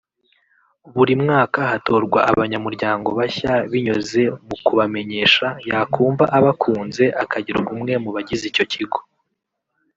Buri mwaka hatorwa abanyamuryango bashya binyuze mu kubamenyesha yakumva abakunze akagirwa umwe mu bagize icyo kigo